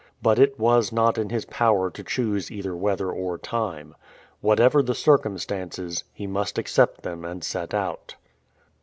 But it was not in his power to choose either weather or time. Whatever the circumstances, he must accept them and set out.